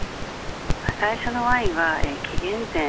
最初のワインは紀元前